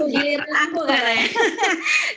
giliran aku kan ya